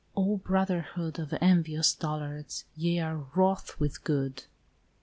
O brotherhood Of envious dullards, ye are wroth with good.